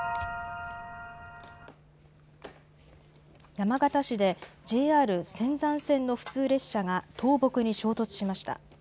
山形市でＪＲ仙山線の普通列車が倒木に衝突しました。